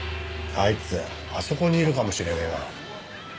あいつあそこにいるかもしれねぇな。